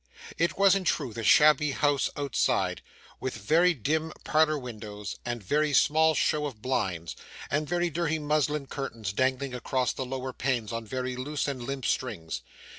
It was in truth a shabby house outside, with very dim parlour windows and very small show of blinds, and very dirty muslin curtains dangling across the lower panes on very loose and limp strings.